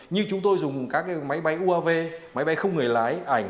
như chúng tôi dùng các máy bay uav máy bay không người lái ảnh